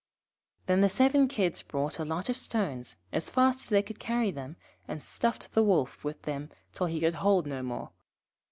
Then the seven Kids brought a lot of stones, as fast as they could carry them, and stuffed the Wolf with them till he could hold no more.